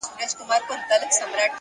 هره ورځ د نوې موخې چانس لري،